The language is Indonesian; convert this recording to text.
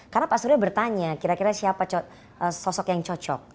karena pak surya bertanya kira kira siapa sosok yang cocok